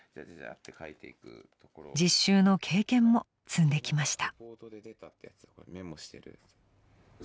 ［実習の経験も積んできました］